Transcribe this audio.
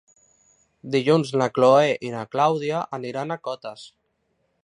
Dilluns na Chloé i na Clàudia aniran a Cotes.